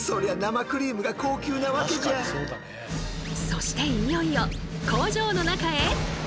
そしていよいよ工場の中へ突撃！